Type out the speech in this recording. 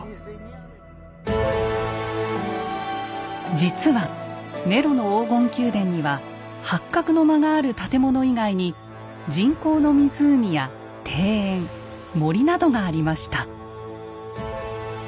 実はネロの黄金宮殿には八角の間がある建物以外に人工の湖や庭園森などがありました。